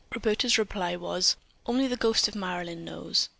Roberta's reply was: "Only the ghost of Marilyn knows."